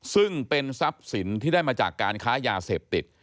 ซึ่งเป็นทรัพย์สินที่ได้มาจากการค้ายาเสพติด